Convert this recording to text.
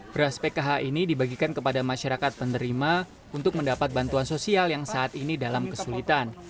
beras pkh ini dibagikan kepada masyarakat penerima untuk mendapat bantuan sosial yang saat ini dalam kesulitan